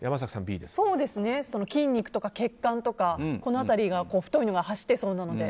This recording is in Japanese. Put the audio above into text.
筋肉とか血管とか、この辺りが太いのがはしってそうなので。